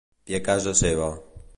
I a casa seva?